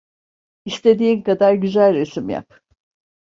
İstediğin kadar güzel resim yap…